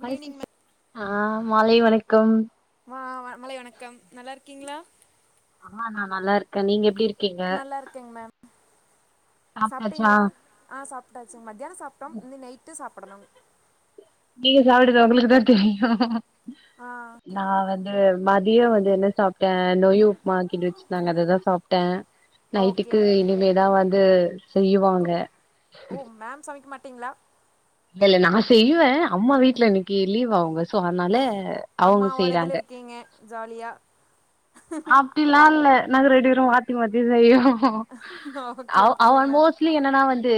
Good evening ma'am ஆ மாலை வணக்கம் வா மாலை வணக்கம் நல்லா இருக்கீங்களா ஆ நா நல்லா இருக்க நீங்க எப்டி இருக்கீங்க நல்லா இருக்கேங் மேம் சாப்ட்டாச்சா சாப்ட்டீங்ளா ஆ சாப்ட்டாச்சுங் மத்தியானோ சாப்ட்டோ இனி நைட்டு சாப்படனு நீங்க சாப்டது உங்களுக்கு தா தெரியு ஆ நா வந்து மதியோ வந்து என்ன சாப்ட்டே நொய் உப்புமாக்கின்டி வச்சுருந்தாங்க அததா சாப்ட்ட ஓகே நைட்டுக்கு ஓகே இனிமேதா வந்து செய்யவாங்க குக் ஓ மேம் சமைக்க மாட்டீங்ளா இல்ல நா செய்வ அம்மா வீட்ல இன்னைக்கி லீவ் அவுங்க சோ அதனால அவுங்க அம்மாவோட இதில செய்யறாங்க இருக்கீங்க ஜாலியா அப்டிலா இல்ல நாங்க ரெண்டு பேரு மாத்தி மாத்தி செய்வோ ஓகே அவ ஓகே அவ மேம் மோஸ் ட்லி என்னன்னா வந்து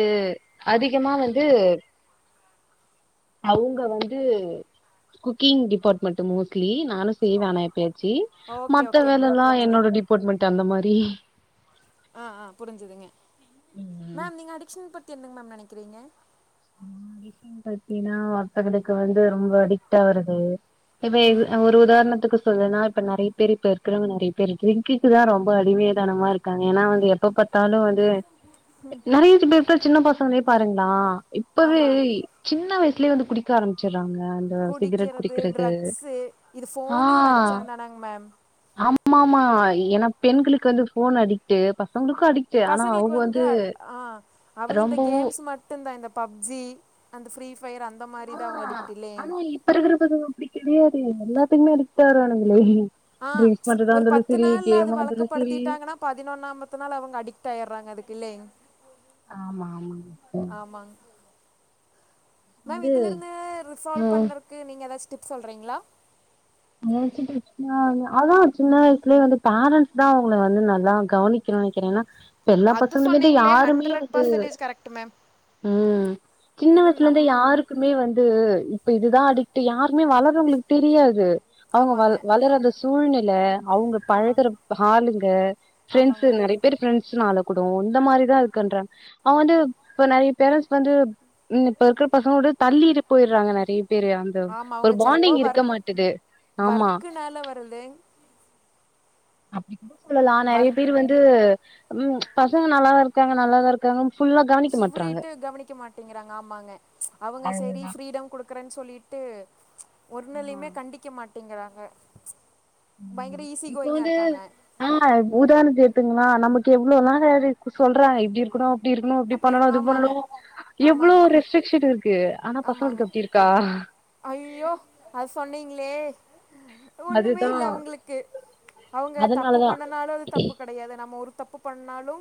அதிகமா வந்து அவுங்க வந்து குக்கிங் டிபார்ட்மெண்ட் மோஸ்ட்லி நானு செய்வ ஆனா எப்பயாச்சு ஓகே மத்த ஓகேங்க மேம் வேலல்லா புரிஞ்சுது என்னோட டிபார்ட்மெண்ட் அந்த மாரி ஆ ஆ புரிஞ்சுதுங்க ம் மேம் நீங்க அடிக்ஷன் பத்தி என்னங் மேம் நனைக்கிறீங்க அடிஷன் பாத்தீன்னா ஒருத்தகக்கு வந்து ரொம்ப அடிக்ட் ஆகறது இவ்வே ம் இது அ ஒர் உதாரணத்துக்கு சொல்லனா இப்ப நறைய பேர் இப்ப இருக்கற நறைய பேர் ட்ரிங்கிக்கு தா ரொம்ப அடிமைதனமா இருக்காங்க ஏனா வந்து எப் எப்ப பாத்தாலு வந்து நறைய பேர்த்த சின்ன பசங்களே பாருங்ளா இப்பவே ஆமா சின்ன வயசுலேயே வந்து குடிக்க ஆரம்பிச்சறாங்க அ அந்த சிகரெட் குடிக்கிறது குடிக்கறது ட்ரக்ஸு இது ஆ ஃபோனே ஒரு அடிக்ஷன் தானங்க மேம் ஆமா ஆமா ஏனா பெண்களுக்கு வந்து ஃபோன் அடிக்ட்டு பசங்களுக்கு அடிக் பசங்களுக்கு வந்து ஆ அவங்க இந்த ரொம்பவு கேம்ஸ் மாரி மட்டுந்தா இந்த பப்ஜி அந்த ஃப்ரீ ஃபயர் அந்த மாரி தா அவுங்க அடிக்ட் இல்லைங் ஆனா இப்ப இருக்கருதுங்க அப்படி கெடையாது எல்லாத்துக்குமே அடிக்ட் ஆகுறானுங்ளே ஆ ஒரு பத்து நாள்ல அது இருந்தாலு செரி வழக்கப்படுத்திட்டாங்கன்னா பதினொன்னாமத்து நாள் அவங்க அடிக்ட் ஆயடுறாங்க அதுக்கு இல்லைங் ஆமா ஆமா ம் மேம் இதுல இருந்து ரிசால்வ் பண்றதுக்கு நீங்க ஏதாச்ச டிப் சொல்றீங்களா எதாச்சு டிப்ஸ்னா அதா சின்ன வயசுலே வந்து பேர்ன்ட்ஸ் தா அவுங்கள வந்து நல்லா கவுனி க்னு நெக்கிற ஏனா அது சொன்னீங்களே ஹண்ட்ரட் பர்சன்டேஜ் கரெக்ட்டு மேம் ம் சின்ன ஏன்னா வயசுல இருந்தே நம் யாருக்குமே வந்து இப்ப இதுதா அடிக்ட்டு யாருமே வளறவுங்களுக்கு தெரியாது அவுங்க ஆமாங்க வல் வளர சூழ்நில அவுங்க ஆமாங்க பழகுற ஆளுங்க ஃப்ரெண்ட்ஸ் ஆமாங்க நறைய பேர் ஃப்ரெண்ட்ஸ்னால கூடு இந்த மாரிதா இருக்குன்றாங்க அவன் வந்து இப்ப நறைய பேரண்ட்ஸ் வந்து ம் இப்ப இருக்கிற பசங்களோட தள்ளிட்டு போயடுறாங்க நறைய பேரு அந்த ஒரு பாண்டிங் இருக்க மாட்டுது ஆமா வர்க்குனால வருது அப்டி கூட சொல்லலா நெறைய ஒர்க் பேர் வந்து ம் பசங்க நல்லாதா இருக்காங்க நல்லாதா இருக் காங்க புல்லா [unintelligible] கவனிக்க மாட்டிங்கறாங்க ஆமாங்க அவங்க செரி அதுதா ப்ரீடம் குடுத் க்கறன் சொல்லீட்டு ஆமா ஒன்னுலீமே கண்டிக்க மாட்டிங்கறாங்க ஆமா இப்ப வந்து ஆ உதாரணத்துக்கு எடுத்துகங்களே நமக்கு எவ்ளோ வேல இரு க்கு சொல்றாங்க இப்டி இருக்கணு அப்டி இருக்கணு இப்டி அப்படி பண்ணணு இருக்கணும் அது ஆமாங்க பண்ணணு எவ்ளோ ஆமாங்க ரெஸ்ட்ரிக்ஷன் இருக்கு அனா பசங்களுக்கு அப்டி இருக்கா ஐய்யோ அத சொன்னீங்களே ஒண்ணுமே அதுதா இல்ல அவுங்களுக்கு அவுங்க தப்பு அதனாலதா பண்ணுனாலு அது தப்பு க கிடையாது நம்ம ஒரு தப்பு பண்ணாலு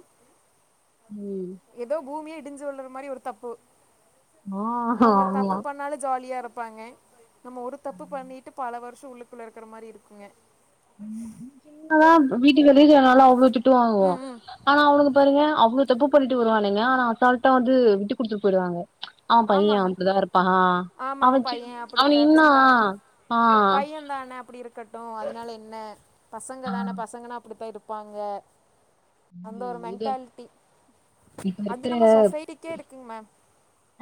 ம் எதோ பூமியே இடிஞ்சு விழுற மாரி ஒரு தப்பு ஆ அவங்க ஆமா தப்பு பண்ணாலு ஜாலியா இரு ப்பாங்க நம்ம ஒரு தப்பு பண்ணீட்டு பல வருஷோ உள்ளுக்குள்ள இருக்கற மாரி இருக்குங்க [inaudible] என்னதா வீட்டுக்கு [unintelligible] அவ்ளோ திட்டு வாங்குவோ ம் ம் அனா அவுணுங்க பாருங்க அவ்ளோ தப்பு பண்ணிட்டு வருவானுங்க அனா அசால்ட்டா வந்து விட்டு குடுத்துட் போயிடுவாங்க அவ பைய ஆமாங் அப்டிதா இருப்பா ஆமா அவ அவனுக்கு பைய அப்படித்தா இன்னா சின்ன ஆ பையந்தான அப்படி இருக் கட்டு அதனால என்ன பசங்க ஆ தான பசங்கன்னா அப்படித்தா இருப்பாங்க அந்த ஒரு இது மென்ட்டால்ட்டி இப்ப அது இருக்கிற நம்ம சொசைட்டிக்கே இருக்குங் மேம்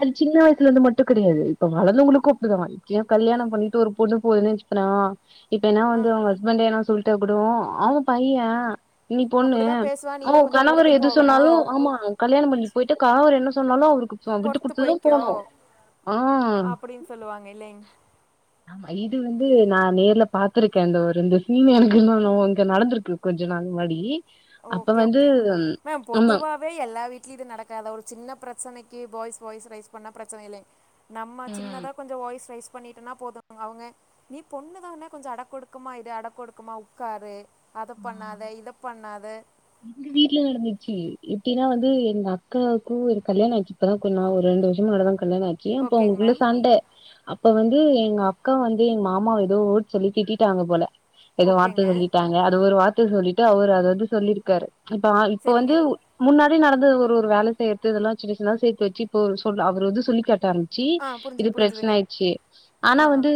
அது சின்ன வயசு இருந்து மட்டு கெடையாது இப்ப வளந்தவங்களுக்கு அப்படிதா இப்யூ கல்யாணோ பண்ணிட்டு ஒரு பொண்ணு போதுன்னு வச்சுக்கணு இப்ப என்னா ஆ வந்து அவங்க ஹஸ்பண்டு எதுனா சொல்ட்டே இருக்கட்டு அவ பைய நீ பொண்ணு அப்படிதா பேசுவா ஓ நீதா கொஞ்ச கணவர் பொறுத்து எது போகணு சொன்னாலு ஆமா கல்யாணோ பண்ணீட் போயிட்டா கணவர் என்ன சொன்னாலு அவருக்கு [unintelligible] பொறுத்து குடுத்து தா போய்க்கோ போணு ஆ அப்படின்னு சொல்லுவாங்க இல்லைங் ஆமா இது வந்து நா நேர்ல பாத்துருக்க அந்த ஒரு இந்த சீன்னு எனக்கு இன்னொன்னுவ் இங்க நடந்திருக்கு கொஞ்ச நாள் முன்னாடி அப்ப ஓகே வந்து ஓகே மேம் ஆமா பொதுவா வே எல்லா வீட்லியு இது நடக்காத ஒரு சின்ன பிரச்சனைக்கு பாய்ஸ் வாய்ஸ் ரைஸ் பண்ணா பிரச்சன இல்லிங் நம்ம ம் சின்னதா கொஞ்சோ வாய்ஸ் ரைஸ் பண்ணிட்டன்னா போது [inaudible] அவங்க நீ பொண்ணு தான கொஞ்சோ அடக்க ஒடுக்கமா இரு அடக்க ஒடுக்கமா உக்காரு அத பண்ணாத இத பண்ணாத இது வீட்ல நடந்துச்சு எப்டின்னா வந்து எங்க அக்காவுக்கு ஒரு கல்யாணோ ஆச்சு இப்பதா கொஞ்ச நா ஒரு ரெண்டு வருஷோ முன்னாடி தா கல்யாணோ ஆச்சு அப்ப ஓகேங்க அவங்களுக்குள்ள மேம் சண்ட அப் ப வந்து எங்க அக்கா வந்து எங்க மாமா எதோ ஒர்ட் சொல்லி திட்டிட்டாங்க போல எதோ வார்த்த ஓகேங்க சொல்லிட்டா எதோ ஒரு வார்த்த சொல்லிட்டு அவரு அத வந்து சொல்லிருக்காரு இப்ப ஆ இப்ப சரிங்க வந்து முன்னாடி நடந்தது ஒரு ஒரு வேல செய்றது இதல்லா சின்ன சின்னதா சேத்து வெச்சி இப்ப ஒரு சொல் அவரு வந்து சொல்லி காட்டாரம் ச்சி ஆ இது புரிஞ்சுது பிரச்சன புரிஞ்சுதுங்க ஆயிருச்சி அனா ஆ ஆ. வந்து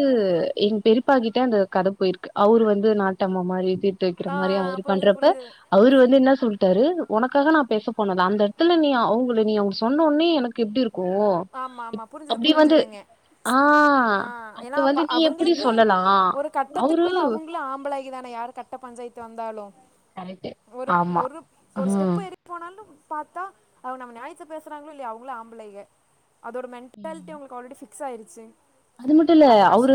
எங் பெரிப்பாகிட்ட அந்த கத போயிருக்கு அவுரு வந்து நாட்டம்மா மாரி இது [unintelligible] வெக்கற ஆ மாரி அவரு புரிஞ்சுது பண்றப்ப புரிஞ்சுது அவரு வந்து என்ன சொல்ட்டாரு உனக்காக நா பேச போன அந்த எத்துல நீ அவுங்கள நீ அவு சொன்னுன்னே எனக் ஆமாம்மா புரிஞ்சிது வந்து புரிஞ்சிதுங்க ஆ ஆ அப்ப ஏனா அப்பா வந்து நீ எப்டி அவுங்களுக்கு சொல்லலா ஒரு கட்டத்துக்கு அவரு மேல அவுங்களு ஆம்பளைக தான யாரு கட்ட பஞ்சாய்த்து வந்தாலு கரெக்ட்டு ஒருப் ஆமா ஒருப் ஒரு ம் ஸ்டெப் ஏறி போனாலும் பாத்தா அவ நம்ம ஞாயத்த பேசறாங்களோ இல்லயோ அவங்களு ஆம்பளைக அதோட ம் மெண்டால்ட்டி உங்களுக்கு ஆல்ரெடி பிக்ஸ் ஆயிருச்சி அது மட்டு இல்ல அவ்ரு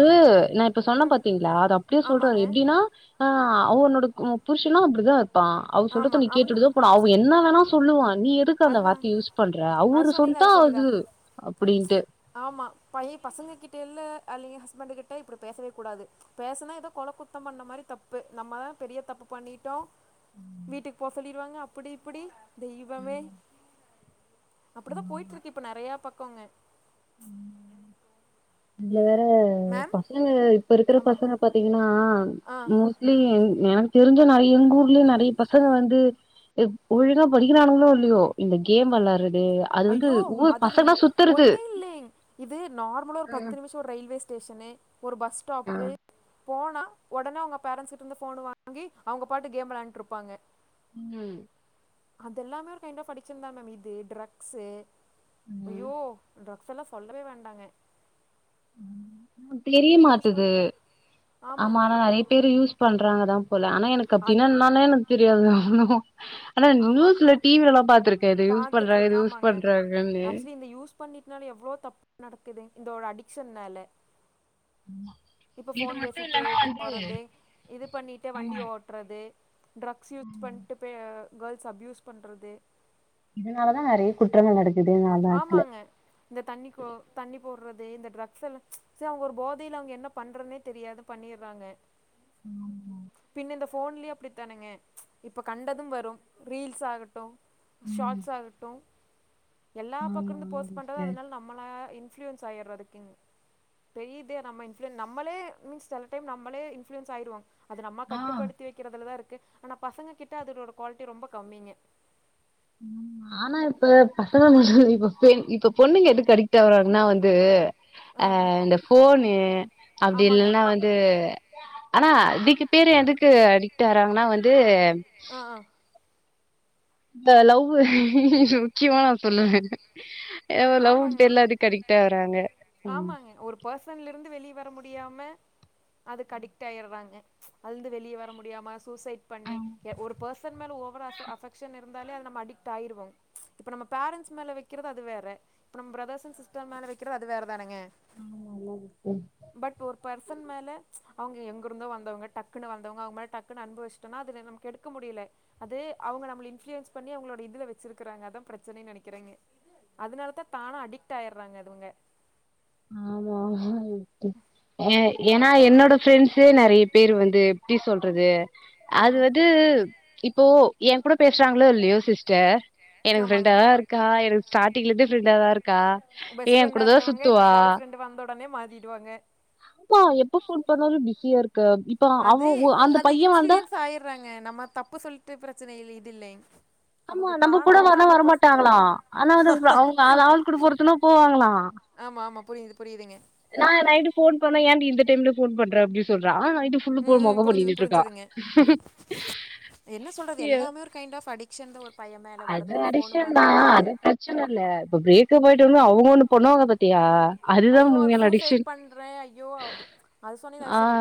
நா இப்ப சொன்னே ம் பா்த்தீங்ளா அத அப்டியே சொல்றாரு ஆமாங்க எப்டின்னா ஆ அவோ உன்னோட க புருஷனு அப்டிதா இருப்பா அவர் ஆமா சொல்றத நீ அப்டின்னு கேட்டுதா போனு அவ் என்ன வேணா சொல்லுவா நீ எத் எதுக்கு அந்த அதுதா வார்த்தைய யூஸ் பண்ற அது அவரு சொன்னீங்களே சொன்னா சரிதா அது அப்டின்ட்டு ஆமா பைய பசங்கக்கிட்ட இல்ல அல்லி ஹஸ்பண்ட கிட்ட இப்டி பேசவே கூடாது பேசுனா ஏதோ கொல குத்தோ பண்ண மாதிரி தப்பு நம்மதா பெரிய தப்பு பண்ணிட்டோ ம் வீட்டுக்கு போ சொல்லிருவாங்க அப்படி இப்படி தெய்வமே ம் அப்டிதா போயிட் ஆமா இருக்கு இப்ப நெறையா பக்கோங்க இதுல வேற ப மேம் பசங்க இப்ப இருக்கற ஆமாங்க பசங்க பாத்தீங்கன்னா ஆ மு சுலி எங் எனக்கு தெரிஞ்ச நெறைய எங்க ஊர்ல நெறைய பசங்க வந்து இப் ஒழுங்கா படிக்கிறானுங்களோ இல்லையோ இந்த கேம் வெளாட்றது ஐயோ அது நின் ஒன்னு இல்லேங் இது நார்மலா ஒரு பத்து நிமிஷோ ஒரு ரயில்வே ஸ்டேஷனு ஒரு பஸ் ஸ்டாப்பு போனா உடனே அவங்க பேரண்ட்ஸ் கிட்ட இருந்து போன் வாங்கி அவங்க பாட்டு கேம் வெளாண்ட்ருப்பாங்க ம் அதெல்லாமே ஒரு கைண்ட் ஆப் அடிக்சன் தான மேம் இது ட்ரக்ஸு ம் ஐயோ ட்ரக்ஸ் எல்லா சொல்லவே வேண்டாங்க தெரிய அதெல்லாம் யூஸ் மாட்டுது பண்ண ஆமா ஆமாங்க. ஆனா நெறைய பேரு யூஸ் பண்றாங்கதா போல ஆனா எனக் அது அப்படின்னா என்னானே எனக் தெரியாது ஆனா ஆமா. நியூஸ்ல டி வில எல்லா பாத்துருக்கே இத யூஸ் பாத்துட்டு பண்றாங்க இது யூஸ் பண்றாங்கன்னு பண்ணிட்னால எவ்ளோ தப்பு நடக்குது இந்தோட அடிக்ஷன்னால இப்ப இது போன் மட்டு பேசிட்டே இல்லன்னா வந்து போறது இது பண்ணிட்டே ஆமா வண்டி ஓட்றது ட்ரக்ஸ் யூஸ் பண்ட்டு பே கேர்ள்ஸ அப்யூஸ் பண்றது இதனாலதா நெறைய குற்றங்கள் நடக்குது நா நாட்டுல ஆமாங்க இந்த தண்ணி கோ தண்ணி போட்றது இந்த டிரக்ஸ் எல்லா சரி அவங்க ஒரு போதையில அவங்க என்ன பண்றன்னே தெரியாது பண்ணிறாங்க ம் பின் இந்த போன்லே அப்டி தானுங்க இப்ப கண்டதும் வரும் ரீல்ஸ் ஆகட்டும் ம். ஷார்ட்ஸ ஆகட்டு எல்லா பக்கோ ஆமா, இருந்து ஆமா போஸ்ட் பண்றது சிஸ்டர். அதனால நம்மளா இன்ஃப்ளூயன்ஸ் ஆயிறது அதுக்குங்க பெரிய இதே நம்ம இன்ஃப்ளூயன் நம்மளே மீன்ஸ் செல டைம் நம்மளே இன்ஃப்ளூயன்ஸ் ஆயிருவோ அது நம்ம ஆ கட்டுப்படுத்தி வைக்கிறதுலதா இருக்கு ஆனா பசங்க கிட்ட அதோட குவாலிட்டி ரொம்ப கம்மிங்க ஆனா இப்ப பசங்க மொத இப்ப பெண் இப்ப பொண்ணுங்க எதுக் அடிக்ட் ஆவ்ராங்கன்னா வந்து ஆ அ ஆ இந்த போஃனு அப்டி ஆமாங்க இல்லனா வந்து ஆனா இதுக்கு பேரு எதுக்கு அடிக்ட் ஆவ்ராாங்கன்னா வந்து ஆ ஆ இந்த லவ்வு முக்கியமா நா சொல்லுவே அ ஆமாங்க லவ்வுட்டு எல்லாருக் அடிக்ட் ஆவுராங்க ம் பெர்சன்ல இருந்து வெளிய வர முடியாம அதுக்கு அடிக்ட் ஆயிறாங்க அதுலந்து வெளிய வர முடியாம சூசைட் பண்ணி ய ஒரு பெர்சன் மேல ஓவரா அஃப் அஃபெக்ஷன் இருந்தாலே அது நம் அடிக்ட் ஆயிருவோ இப்ப நம்ம பேரன்ட்ஸ் மேல வைக்கிறது அது வேற இப்ப நம் பிரதர்ஸ் அன் சிஸ்டர் மேல வைக்கிறோ அது வேற தானுங்க ம் நல்ல இருக்கே பட் ஒரு பர்சன் மேல அவுங்க எங்கிருந்தோ வந்த வாங்க டக்குன்னு வந்த வாங்க அவுங்க மேல டக்குன்னு அனுபவிச் டுனா அது நமக்கு எடுக்க முடியல அது அவுங்க நம்ல இன்புளுயன்ஸ் பண்ணி அவுங்களோட இதுல வச்சிருக்காங்க அதா பிரச்சனைன்னு நெனைக்கிறாங்கே அதனாலதா தானு அடிக்ட் ஆயிறாங்க அது அவுங்க ஆமா ஆமா ஏ ஆ ஏன்னா என்னோட ப்ரெண்ட்சே நெறைய பேரு வந்து எப்புடி சொல்றது ஆ அது ஆ. வந்து இப்போ என் கூட பேசுறாங்களோ இல்லையோ சிஸ்டர் எனக்கு ஃப்ரெண்ட ஆமாங்க தா இருக்கா எனக்கு ஸ்ட்டிங் இருந்து ஃப்ரெண்டா தா இருக்கா பெஸ்ட் ஏ ஃப்ரெண்டா கூடதா இருந்தவங்கா இப்ப சுத்துவா பாய் ஃப்ரெண்டு வந்த உடனே மாறிடுவாங்க ப்பா எப்ப போன் பண்ணாலு பிஸியா இருக்க இப்ப தா அவ அவன் அந்த பையா வந்தா கமிட்ஆயிடுறாங்க நம்ம தப்பு சொல்லிட்டு பிரச்சனை இல்ல இது இல்ல ஆமா நம்ம கூட வரணா வரமாட்டாங்களா ஆனா வது அவுங்க ஆ ஆள் கூட போறதுன்னா போவாங்களா ஆமா ஆமா புரியுது புரியுதுங்க நா நைட்டு போன் பண்ண என் டி இந்த டைம்ல போன் பண்ற அப்புடினு சொல்றா ஆனா நைட்டு ஃபுல்லு போ ம்ம் மொக்க புரிஞ்சுது பண்ணிட்டு இருக்கா புரிஞ்சுதுங்க என்ன சொல்றது ஏ எல்லாமே கைண்ட்ஃப் அடிஷன்னு அது அடிஷான் தா அது பிரச்சனை இல்ல இப்ப பிரேக்காப் ஆயிட்டுன்னு அவுங்க ஒன்னு பண்ணுவாங்க பாத் ஐயோ அது சூசைட் பண்றே ஐயோ அது அது சொன்னில அது ஆ சரி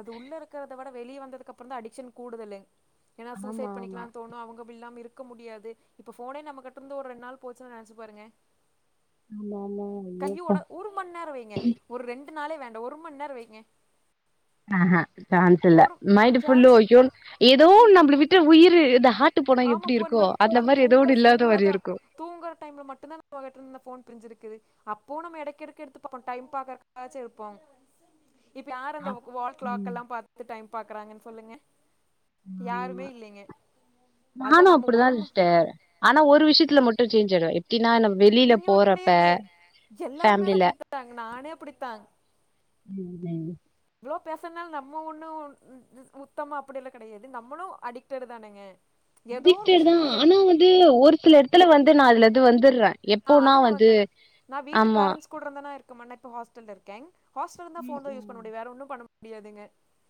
அது உள்ள இருக்கிற தா விட வெளிய வந்ததுக்கு அப்புறே தா அடிக்ஷன் கூடுதல ஏன்னா ஆமா சூசைட் ஆமா பண்ணிக்கலாம்னு தோணு அவுங்க இல்லாம இருக் க்க முடியாது இப்ப போனே நம்ம கிட்ட இருந்து ஒரு ரெண்டு நாள் போச்சு நெனைச்சு பாருங்க ஆமா ஆமா ஐயோ அப்பா கையோட ஒரு மணி நேரம் வைங்க ஒரு ரெண்டு நாளே வேண்டா ஒரு மணி நேர வைங்க ஆஹா சான்ஸ் இல்ல ஒரு மைண்ட்ஃபுல்லே சான்ஸு ஐயோ ஏதோ நம்மளை விட்டு உயிரு இந்த ஆஹட்டு போனா ஆமா எப்புடி போன இருக்கோ முறை அந்த அது மாறி ஏதோ தூங்குற ஒன்னு இல்லாத மாறி அதா இருக்கும் தூங்குற டைம்ல மட்டு தா நம்மகிட்ட போன்னு பிரிஞ்சிருக்குது அப்பவு நம்ம எடக்எடுக்க எடுத்து பாப்போ டைம் பாக்கறகாச்சு எடுப்போ இப்ப யாரு அந்த அப் வால் கிளாக் ம் எல்லா பாத்து டைம் பாக்குறாங்கன்னு சொல்லுங்க யாருமே ஆமா இல்லைங்க அதா நானு நம்ம அப்டிதா ஒரு ம அப்றே சேஞ்சு ஆயிடுவரு எப்புடின்னா நம்ம வெளியில நீங்க மட்டு போறப்ப பேமிலில தா நானே அப்புடித்தாங் யூட்டியூப்புலைங் இவ்ளோ பேசுனு நம்ம ஒண்ணு உ உ உத்தமா அப்புடி எல்லா கிடையாது நம்மளு அடிக்டடு தானுங்க அடிக்டாடு தா ஆனா வந்து ஒரு சில இடத்துல வந்து நா அதுல இருந்து வந்துடுறே ஆ எப்போனா அது நா வந்து வந்துருவே நா வீட்டு ஆமா பேரண்ஸ் கூட இருந்தானா இருக்குன்ன இப்ப ஹாஸ்டல்ல இருங்கே ஹாஸ்டந்தா ம் போன் தா யூஸ் பண்ண முடியு வேற ஒன்னு பண்ண முடியாதுங்க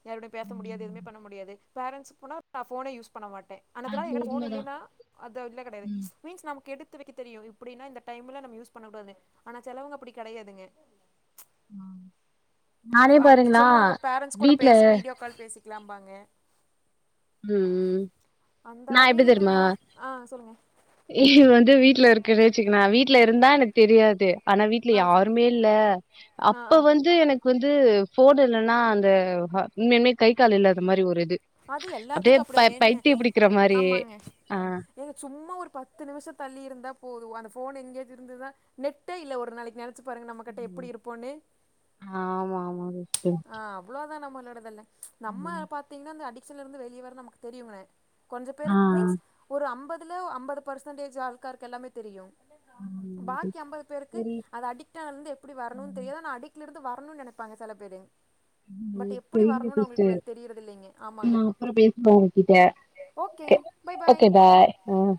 யாருடையு ம் பேசடியாது ஏவுமே ம் பண்ண முடியாது பேரண்ட்ஸ்சு போன போனே யூஸ் பண்ண மாட்டே அடுத்த நாள் அது எங்கிட்ட போன் உண்மதா இல்லயின்னா அது இல்ல கிடையாது ம் மீன்ஸ் நமக்கு எடுத்து வைக்க தெரியு இப்புடின்னா இந்த டைமில நம்ம யூஸ் பண்ண கூடாதுனு ஆனா செலவுங்க அப்புடிங் கிடையாதுங்க ம் ஆ சொல்லுவாங்க பேரன்ஸ்சு கூட வீட்ல பேசி வீடியோ கால் பேசிக்கலா பாங்க ம் அந்த நா எப்டி வகையில தெரியுமா இவுங்க ஆ சொல்லுங்க இது வந்து வீட்டுல இருக்குன்னு வச்சுக்கனா வீட்ல இருந்தா எனக்கு தெரியாது ஆனா வீட்ல ஆ சரி. யாருமே இல்ல ஆ அப்ப ஆ வந்து எனக்கு வந்து போன் இல்லைன்னா அந்த ஆ உண்மையாலுமே கை கால் இல்லாத மாரி ஒரு இது அது அப்டியே எல்லாத்துக்கு ப அப்டிதா ஏனுங்க பைத்திய புடிக்கிற மாரி ஆமாங்க ஆ ஏங்க சும்மா ஒரு பத்து நிமிஷ தள்ளி இருந்தா போது அந்த ஃபோன் எங்கேது இருந்துதுதா நெட்டே இல்ல ஒரு நாளைக்கு நெனச்சி பாருங்க நம்ம கிட்ட எப்டி இருப்போன்னு ஆ ஆமா ஆமா ஆ அவ்ளோதா நம்மளோடதல்ல நம்ம ம். பாத்தீங்னா இந்த அடிக்ஷன்ல இருந்து வெளிய வர நமக்கு தெரியுங்க கொஞ்சோ ஆ. பேருக்கு மீன்ஸ் ஒரு அம்பதுல அம்பது பர்சன்டேஜ் ஆளுகாருக் எல்லாமே தெரியு ம். பாக்கி அம்பது பேருக்கு சரி. அது அடி க்டானதுல இருந்து எப்டி வரனுன் ம். தெரியாது ஆனா அடிக்ட்ல இருந்து வரணுன் நெனைப்பாங்க செல பேரு பட் ம். எப்டி சரிங்க வரணுன் அவங்களுக்கு சிஸ்டர். வெல் தெரிறது இல்லைங்க ஆமாங்க நான் அப்புறம் பேசுறேன் உங்ககிட்ட. ஓகேங் பை பாய் ம்